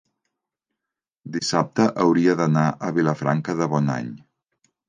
Dissabte hauria d'anar a Vilafranca de Bonany.